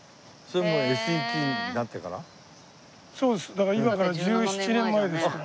だから今から１７年前ですから。